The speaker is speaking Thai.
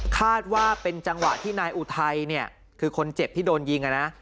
คาดว่าเป็นจังหวะที่นายอุทัยเนี่ยคือคนเจ็บที่โดนยิงอ่ะนะ